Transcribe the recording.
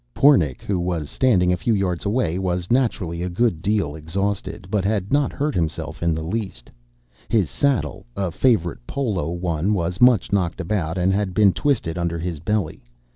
Pornic, who was standing a few yards away, was naturally a good deal exhausted, but had not hurt himself in the least. His saddle, a favorite polo one was much knocked about, and had been twisted under his belly.